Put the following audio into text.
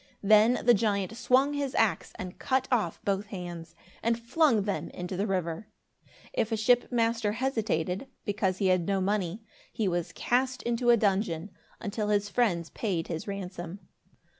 Then the giant swung his axe and cut off both hands, and flung them into the river. If a ship master hesitated, because he had no money, he was cast into a dungeon, until his friends paid his ransom.